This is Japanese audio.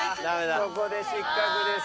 ここで失格です。